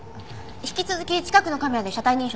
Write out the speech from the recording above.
引き続き近くのカメラで車体認証します。